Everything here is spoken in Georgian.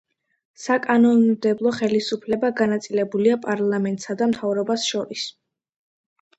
საკანონმდებლო ხელისუფლება განაწილებულია პარლამენტსა და მთავრობას შორის.